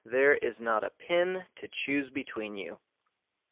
There is not a pin to choose between you."